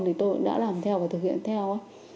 thì tôi đã làm theo và thực hiện theo